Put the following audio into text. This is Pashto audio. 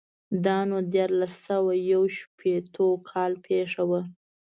دا نو دیارلس سوه یو شپېتو کال پېښه وه.